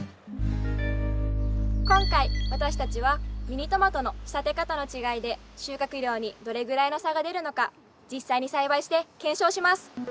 今回私たちはミニトマトの仕立て方の違いで収穫量にどれぐらいの差が出るのか実際に栽培して検証します。